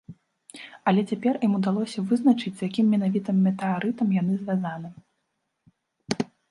Але цяпер ім удалося вызначыць, з якім менавіта метэарытам яны звязаны.